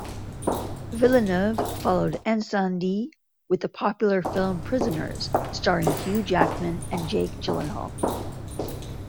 Villeneuve followed "Incendies" with the popular film "Prisoners", starring Hugh Jackman and Jake Gyllenhaal.